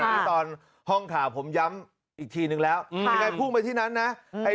นี่ตอนห้องข่าวผมย้ำอีกทีนึงแล้วยังไงพุ่งไปที่นั้นนะ